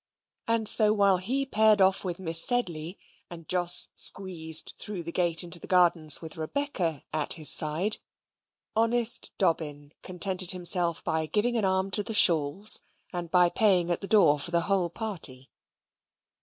And so while he paired off with Miss Sedley, and Jos squeezed through the gate into the gardens with Rebecca at his side, honest Dobbin contented himself by giving an arm to the shawls, and by paying at the door for the whole party.